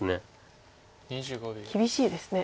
厳しいですね。